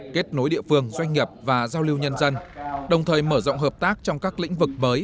kết nối địa phương doanh nghiệp và giao lưu nhân dân đồng thời mở rộng hợp tác trong các lĩnh vực mới